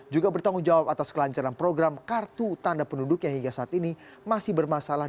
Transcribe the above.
juga bertanggung jawab atas kelancaran program kartu tanda penduduk yang hingga saat ini masih bermasalah